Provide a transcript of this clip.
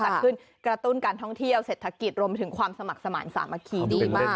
จัดขึ้นกระตุ้นการท่องเที่ยวเศรษฐกิจรวมไปถึงความสมัครสมาธิสามัคคีดีมาก